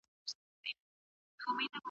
ایا تاسې ته د کباب بوی راځي؟